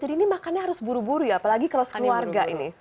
jadi ini makannya harus buru buru ya apalagi kalau sekeluarga ini